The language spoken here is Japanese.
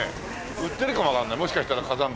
売ってるかもわかんないもしかしたら火山灰。